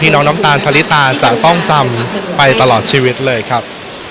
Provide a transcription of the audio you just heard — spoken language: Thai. น้องน้ำตาลชะลิตาจะต้องจำไปตลอดชีวิตเลยครับ